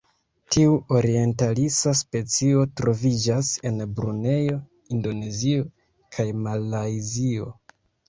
Tiu orientalisa specio troviĝas en Brunejo, Indonezio kaj Malajzio.